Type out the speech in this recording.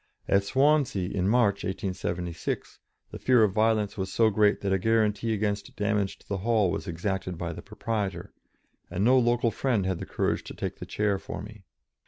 At Swansea, in March, 1876, the fear of violence was so great that a guarantee against damage to the hall was exacted by the proprietor, and no local friend had the courage to take the chair for me.